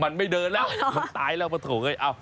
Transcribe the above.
มันไม่เดินแล้วมันตายแล้วมันโถไง